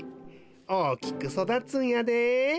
大きくそだつんやで。